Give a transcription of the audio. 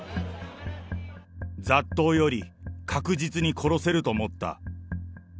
雑踏より確実に殺せると思った。